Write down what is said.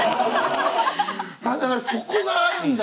だからそこがあるんだ。